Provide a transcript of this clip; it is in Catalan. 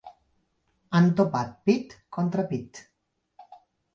Han topat pit contra pit.